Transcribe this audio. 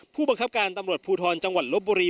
ผู้บังคับการปุทรจังหวัดลบบุรี